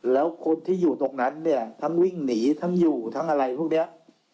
แล้วคนที่อยู่ตรงนั้นเนี่ยทั้งวิ่งหนีทั้งอยู่ทั้งอะไรพวกนี้